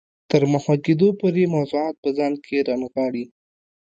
تر محوه کېدو پورې موضوعات په ځان کې رانغاړي.